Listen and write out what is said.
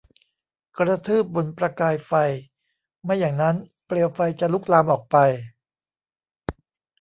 กระทืบบนประกายไฟ ไม่อย่างนั้นเปลวไฟจะลุกลามออกไป